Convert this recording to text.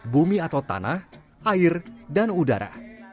bumi atau tanah air dan udara